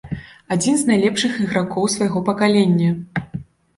Адзін з найлепшых ігракоў свайго пакалення.